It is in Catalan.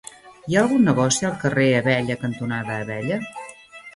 Hi ha algun negoci al carrer Abella cantonada Abella?